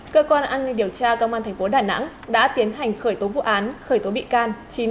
cơ quan an ninh điều tra công an tp đà nẵng đã tiến hành khởi tố vụ án khởi tố bị can